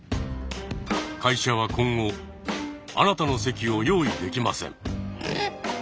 会社は今後あなたの席を用意できません。